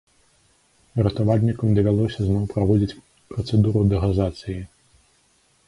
Ратавальнікам давялося зноў праводзіць працэдуру дэгазацыі.